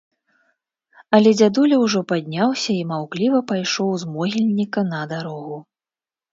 Але дзядуля ўжо падняўся і маўкліва пайшоў з могільніка на дарогу.